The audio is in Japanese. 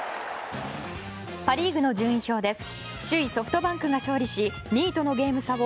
パ・リーグの順位表です。